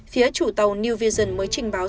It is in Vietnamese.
phía chủ tàu new vision mới trình báo